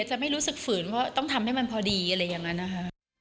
จะไม่รู้สึกฝืนเพราะต้องทำให้มันพอดีอะไรอย่างนั้นนะคะ